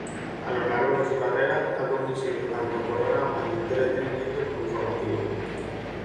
A lo largo de su carrera, ha conducido tanto programas de entretenimiento como informativos.